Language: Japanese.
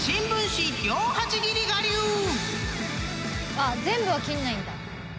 あっ全部は切んないんだ。